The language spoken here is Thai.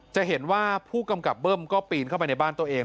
จะเห็นว่าผู้กำกับเบิ้มก็ปีนเข้าไปในบ้านตัวเอง